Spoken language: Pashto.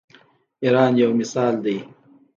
ایران یو مثال دی.